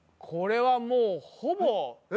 これはもううわ！